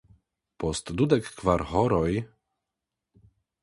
Post dudek kvar horoj ...